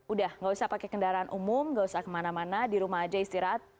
udah gak usah pakai kendaraan umum nggak usah kemana mana di rumah aja istirahat